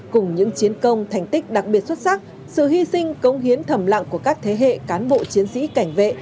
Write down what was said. cùng những chiến công thành tích đặc biệt xuất sắc sự hy sinh công hiến thầm lặng của các thế hệ cán bộ chiến sĩ cảnh vệ